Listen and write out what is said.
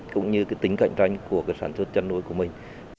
cũng như cái tính cạnh tranh của cái sản xuất chăn nuôi của mình